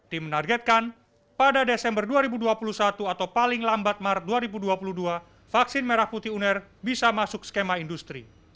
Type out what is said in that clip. tim menargetkan pada desember dua ribu dua puluh satu atau paling lambat maret dua ribu dua puluh dua vaksin merah putih uner bisa masuk skema industri